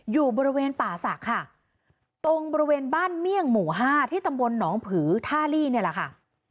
อยู่บริเวณป่าศักดิ์ค่ะตรงบริเวณบ้านเมี่ยงหมู่ห้าที่ตำบลหนองผือท่าลี่เนี่ยแหละค่ะ